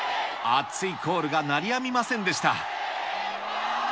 熱いコールが鳴りやみませんでした。